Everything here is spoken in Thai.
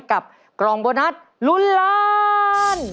กับกล่องโบนัสลุ้นล้าน